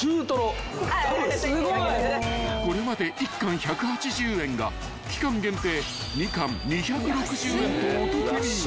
［これまで１貫１８０円が期間限定２貫２６０円とお得に］